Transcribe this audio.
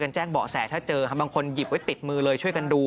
แจ้งเบาะแสถ้าเจอบางคนหยิบไว้ติดมือเลยช่วยกันดู